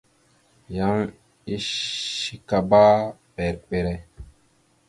Yan eshekabámber mbere.